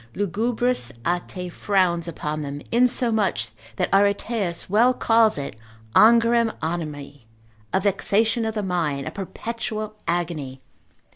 Lugubris Ate frowns upon them, insomuch that Areteus well calls it angorem animi, a vexation of the mind, a perpetual agony.